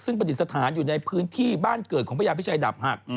ซึ่งประดิษฐานอยู่ในพื้นที่บ้านเกิดของพระยาพิชัยดาบหัก